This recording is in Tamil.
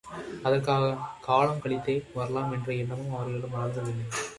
அதற்காகக் காலம் கழித்தே வரலாம் என்ற எண்ணமும் அவர்களிடம் வளர்ந்ததில்லை.